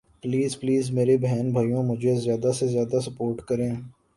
please please میرے بہن بھائیوں مجھے زیادہ سے زیادہ سپورٹ کریں